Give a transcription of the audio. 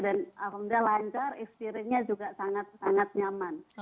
dan alhamdulillah lancar experience nya juga sangat sangat nyaman